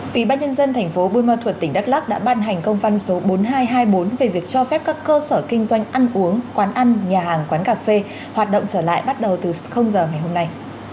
ủy ban nhân dân thành phố buôn ma thuật tỉnh đắk lắc đã ban hành công văn số bốn nghìn hai trăm hai mươi bốn về việc cho phép các cơ sở kinh doanh ăn uống quán ăn nhà hàng quán cà phê hoạt động trở lại bắt đầu từ giờ ngày hôm nay